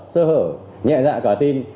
sơ hở nhẹ dạ cả tin